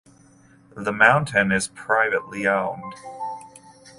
The mountain is privately owned.